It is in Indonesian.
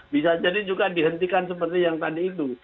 bisa jadi juga dihentikan seperti yang tadi itu